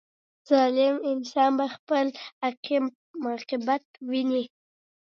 • ظالم انسان به خپل عاقبت ویني.